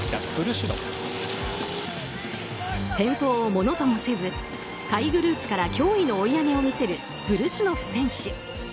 転倒をものともせず下位グループから驚異の追い上げを見せるブルシュノフ選手。